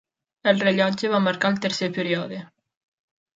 El rellotge va marcar el tercer període.